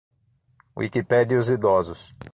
Wikipedia e os idosos.